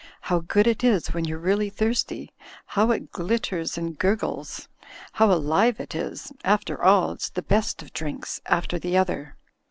How good it is when you're really thirsty, how it glitters and gurgles ! How alive it is! After all, it's the .best of drinks, after the other.